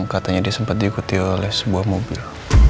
katanya dia sempat diikuti oleh sebuah mobil